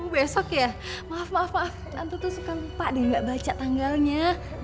besok ya maaf maaf maaf tante tuh suka lupa deh gak baca tanggalnya